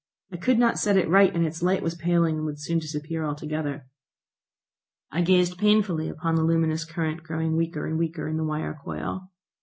I could not set it right, and its light was paling and would soon disappear altogether. I gazed painfully upon the luminous current growing weaker and weaker in the wire coil.